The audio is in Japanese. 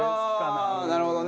ああなるほどね。